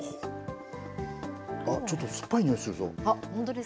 ちょっと酸っぱいにおいするぞ。